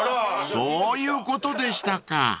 ［そういうことでしたか］